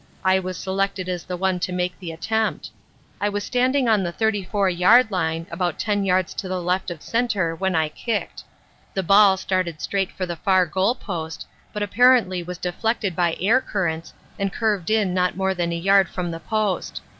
I was selected as the one to make the attempt. I was standing on the 34 yard line, about ten yards to the left of centre when I kicked; the ball started straight for the far goal post, but apparently was deflected by air currents and curved in not more than a yard from the post.